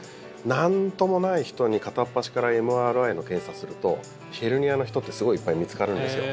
なんともない人に片っ端からＭＲＩの検査するとヘルニアの人ってすごいいっぱい見つかるんですよ。